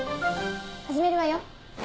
始めるわよ。